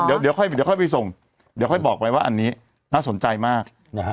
เดี๋ยวค่อยไปส่งเดี๋ยวค่อยบอกไปว่าอันนี้น่าสนใจมาก